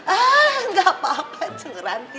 ah nggak apa apa itu ranti